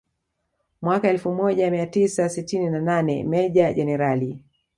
Mwaka elfu moja mia tisa sitini na nane Meja Jenerali